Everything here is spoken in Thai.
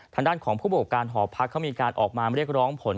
ทางด้านของผู้บทการย์หอพักเค้ามีการออกมาเรียกร้องผลกระทบ